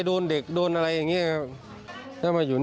โดนเด็กโดนอะไรอย่างนี้ครับ